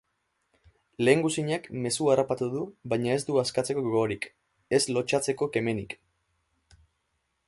Lehengusinak mezua harrapatu du baina ez du askatzeko gogorik, ez lotsatzeko kemenik.